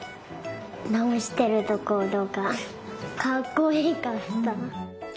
なおしてるところがかっこいかった。